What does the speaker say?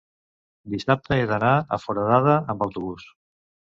dissabte he d'anar a Foradada amb autobús.